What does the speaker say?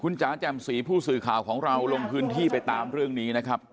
จ๋าแจ่มสีผู้สื่อข่าวของเราลงพื้นที่ไปตามเรื่องนี้นะครับ